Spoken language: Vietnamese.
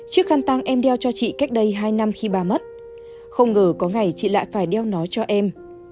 chiếc khăn tăng em đeo cho chị cách đây hai năm khi bà mất không ngờ có ngày chị lại phải đeo nó cho em